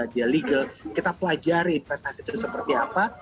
dia legal kita pelajari investasi itu seperti apa